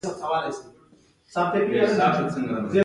ستا دا خبره مې اوس هم په تصور کې راشنه